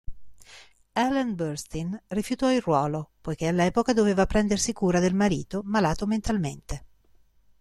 Ellen Burstyn rifiutò il ruolo poiché all'epoca doveva prendersi cura del marito malato mentalmente.